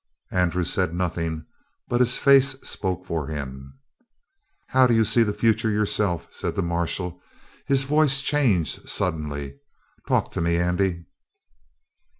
Andrew said nothing, but his face spoke for him. "How d'you see the future yourself?" said the marshal. His voice changed suddenly: "Talk to me, Andy."